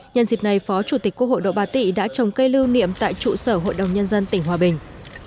nhân dịp này phó chủ tịch quốc hội độ bà tị đã trồng cây lưu niệm tại trụ sở hội đồng nhân dân tỉnh hòa bình